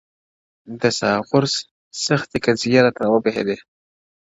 د ساغورث سختې قضيې’ راته راوبهيدې’